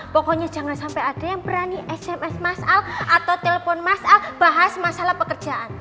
pokoknya jangan sampai ada yang berani sms mas al atau telepon mas al bahas masalah pekerjaan